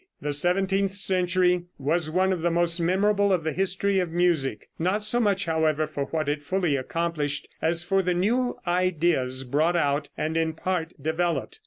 The seventeenth century was one of the most memorable in the history of music, not so much, however, for what it fully accomplished as for the new ideas brought out and in part developed.